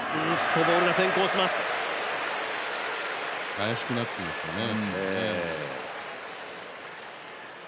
怪しくなってきましたね。